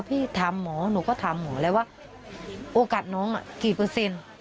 พี่ถามหมอหนูก็ถามหมอแล้วว่าโอกาสน้องกี่เปอร์เซ็นต์